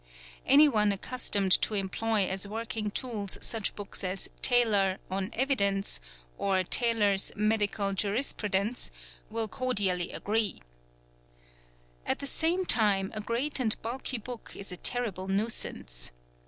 : Any one accustomed to employ as working tools such books as Taylor PREFACE Vili On Evidence', or Taylor's '"' Medical Jurisprudence"', will cordially agree. At the same time, a great and bulky book is a terrible nuisance.